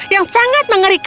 maka aku akan menangis